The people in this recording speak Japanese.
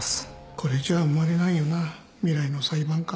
これじゃ生まれないよな未来の裁判官。